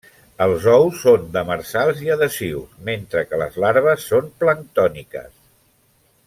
Els ous són demersals i adhesius mentre que les larves són planctòniques.